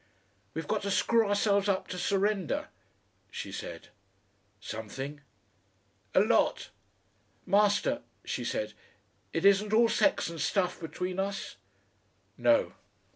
"We've got to screw ourselves up to surrender," she said. "Something." "A lot." "Master," she said, "it isn't all sex and stuff between us?" "No!"